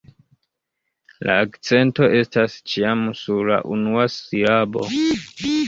La akcento estas ĉiam sur la unua silabo.